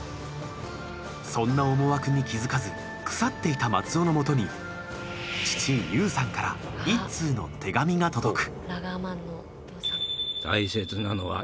そんな思惑に気付かず腐っていた松尾のもとに父雄さんから一通の手紙が届く。